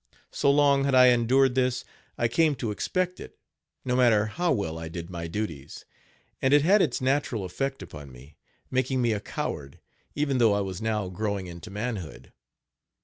So long had I endured this, I came to expect it, no matter how well I did my duties; and it had its natural effect upon me, making me a coward, even though I was now growing into manhood.